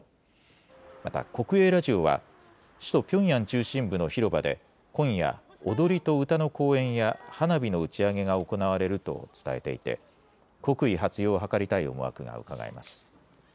また国営ラジオは、首都ピョンヤン中心部の広場で、今夜、踊りと歌の公演や花火の打ち上げが行われると伝えていて、国威発揚を図りたい思惑がうかがえます。